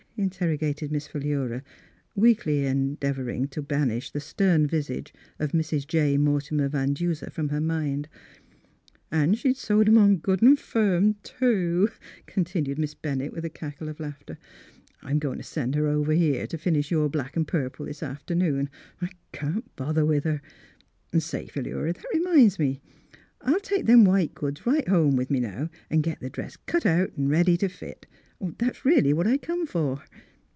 interrogated Miss Philura, weakly endeavouring to banish the stern visage of Mrs. J. Mortimer Van Duser from her mind. " An' she'd sewed 'em on good an' firm, too," continued Miss Bennett, y/ith a cackle of laughter. " I'm goin' t' send her over here t' finish your black an' pur ple this afternoon. I can't bother with her. An', say, Philura, that reminds me, I'll take them white goods right home with me now an' get the dress cut out an' ready t' fit. That's really what I come for."